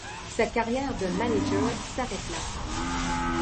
Sa carrière de manager s'arrête là.